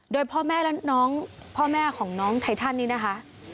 โดยพ่อแม่และน้องพ่อแม่ของน้องไททันนี่นะคะ